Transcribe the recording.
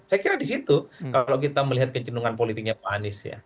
saya kira di situ kavnlo kita melihat kecondongan politiknya pak anies